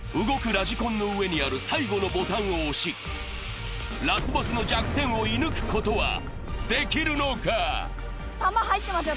ラジコンの上にある最後のボタンを押しラスボスの弱点を射ぬくことはできるのか球入ってますよ